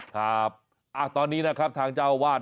ครับตอนนี้นะครับทางเจ้าวาด